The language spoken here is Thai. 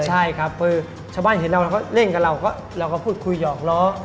ใช่ครับชาวบ้านเห็นเราก็เล่นกับเราก็คุยหยอกล้อ